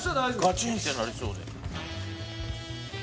ガチンッてなりそうで。